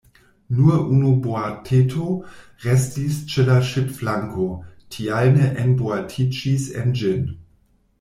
Nur unu boateto restis ĉe la ŝipflanko, tial ni enboatiĝis en ĝin.